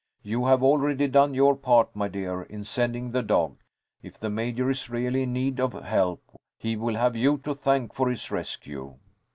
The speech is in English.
You have already done your part, my dear, in sending the dog. If the Major is really in need of help, he will have you to thank for his rescue."